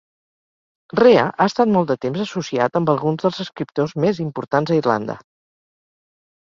Rea ha estat molt de temps associat amb alguns dels escriptors més importants a Irlanda.